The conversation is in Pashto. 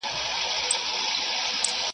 • خبر اوسه چي دي نور ازارومه,